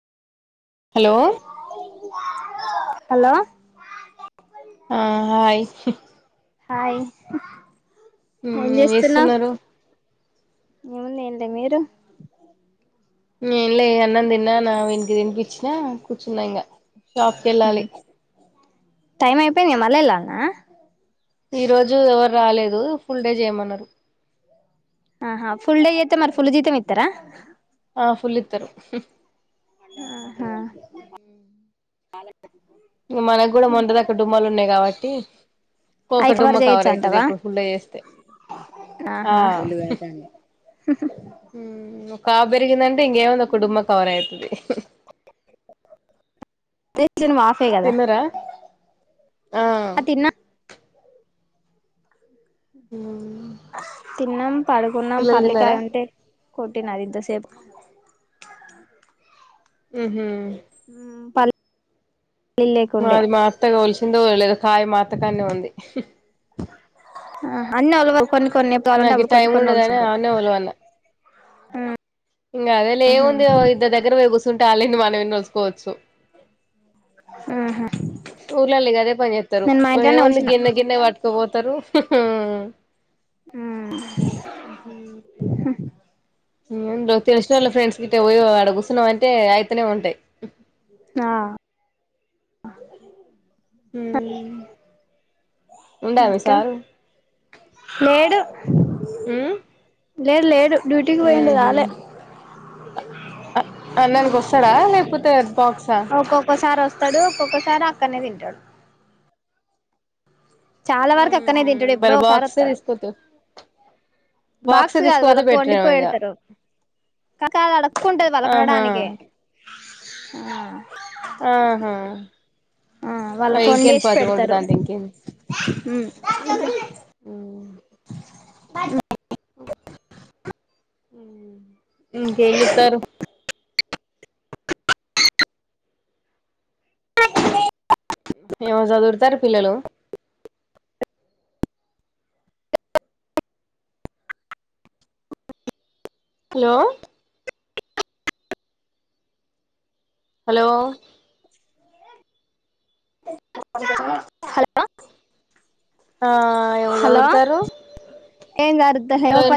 Hello hello ఆ hi hi hi ఏం చేస్తున్నావ్ ఏముంది ఏంలే మీరు మ్ ఏం లే అన్నం దిన్న నా వీనికి తినిపిచ్చినా కూర్చున్న ఇంగ. షాప్ కెళ్ళాలి టైం అయిపోయింది గా మళ్ళ ఎల్లాల్నా. ఈ రోజూ ఎవరు రాలేదూ ఫుల్ డే జేయమన్నరు. ఆహా, ఫుల్ డే జేత్తే మరి ఫుల్ జీతం ఇత్తర. ఆ ఫుల్ ఇత్తరు ఆహా మనకు గూడా మొన్టిదాకా డుమ్మాలు ఉన్నాయి కాబట్టీ ఒక అయి డుమ్మ కవర్ చేయొచ్చు అయితది, అంటవా ఇప్పుడు ఫుల్ డే ఏస్తే. ఆ ఆహా హు ఊ కా బెరిగిందంటే ఇంగేముంది ఒక డుమ్మ కవర్ అయితది ది దినం హాఫే గదా తిన్నరా ఆ ఊమ్ తిన్నాం పడుకున్నాం తిన్నారా పల్లికాయ ఉంటే కోట్టిన అది ఇంత సేపు ఉహూ ఊమ్ పల్ మాది మా అత్తగ ఒల్శిందో ఒలలేదో, కాయ మా అత్తకాన్నే ఉంది. అన్ని ఒళవ కొన్ని కొన్ని ఎప్పుడు కావాలంటే నాకు ఈ అప్పుడు కొన్ని టైం కొన్ని ఉండదని ఒలసుంటాయి. ఆన్నే ఇంగ అదేలే ఏముంది, ఓ ఇద్దర్ దగ్గర వొయ్ కూసుంటే వాళ్ళు ఇన్ని మనం ఇన్ని ఒలుసుకోవచ్చు. ఒలుచుకుంటా ఊర్లల్ల ఇగ అదే పని జేత్తరు, నేను మా ఇంట్లోనే ఏముంది ఒలిచిన గిన్నె గిన్నె వట్కవో. తరు హుహూ ఊ ఊఉ ఊమ్ తెలిసినోళ్ళ ఫ్రెండ్స్ గిట్ట వొయ్ ఆడ గూస్సున్నవంటే అయితనే ఉంటాయి. ఆ ఊమ్ ఉండా మీ ఇంకా సారు లేడు ఆ లేదు లేడు డ్యూటీకి పోయిడి రాలే అన్నానికి వస్తడా లేకపోతే బాక్సా ఒ కో ఒకో సారో అస్తాడు ఒక్కొక్కసారి అక్కనే తింటాడు చాలా వరకు అక్కనే ఉహు తింటాడు ఎప్పుడో మరి ఒకసారి బాక్సే వస్తాడు తీసుకపోతే బాక్స్ బాక్సే కాదు తీసుకపోతే వాళ్ళకు బెటరేమో ఇగ వండిపోయడతారు కాకా అలా అడుక్కుంటాది వాళ్ళ ఆహా మేడానికి ఆహా హా హా మరి వాళ్ళకి ఇంకేంది వండేసి పతి పెడతారు కొంటుదంటే ఇంకేంది బట్ ఇంకేం చెప్తారు అ [unintelligible] ఏమో చదువురుతారు పిల్లలు హలో హలో హలో ఆ ఏవో చదువుతారు ఏం జరుగుతలేవు